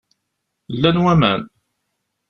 Llan waman.